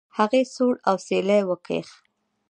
هغې سوړ اسويلى وکېښ.